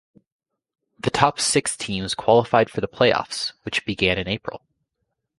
The top six teams qualified for the playoffs, which began in April.